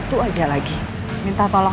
terima kasih udah nonton